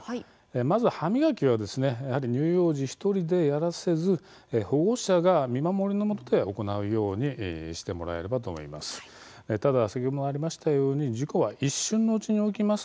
まず歯磨きは乳幼児１人でやらせず保護者の見守りのもとでやらせていただくようにしてもらいたいと思います。